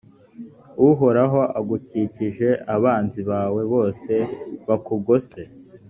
uhoraho agukijije abanzi bawe bose bakugose,